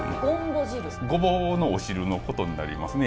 ごぼうのお汁のことになりますね。